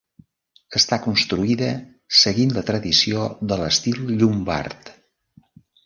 Està construïda seguint la tradició de l'estil llombard.